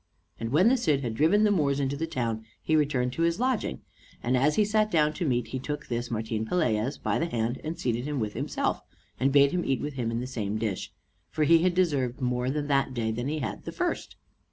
And when the Cid had driven the Moors into the town he returned to his lodging, and as he sat down to meat he took this Martin Pelaez by the hand, and seated him with himself, and bade him eat with him in the same dish, for he had deserved more that day than he had the first.